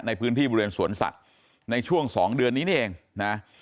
ในพื้นที่บริเวณสวนสัตว์ในช่วง๒เดือนนี้นี่เองนะ